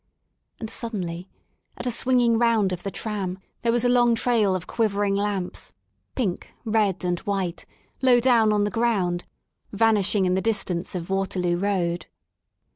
And sud denly, at a swinging round of the tram, there was a long trail of quivering lamps, pink, red, and white, low down on the ground, vanishing in the distance of Waterloo Road.